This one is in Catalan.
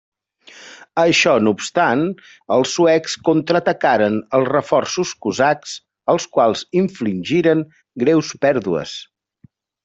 Això no obstant, els suecs contraatacaren els reforços cosacs, als quals infligiren greus pèrdues.